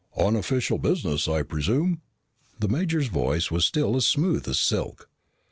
"On official business, I presume?" The major's voice was still as smooth as silk.